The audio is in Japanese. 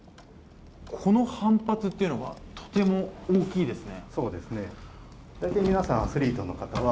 この反発っていうのがとても大きいですね